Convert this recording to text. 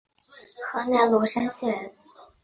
河南罗山县人。